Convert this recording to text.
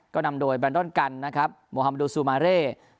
ก็นำโดยแบนดอนกันนะครับโมฮัมโดซูมาเร่